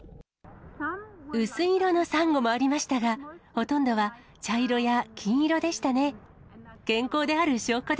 薄い色のサンゴもありましたが、ほとんどは茶色や金色でしたね。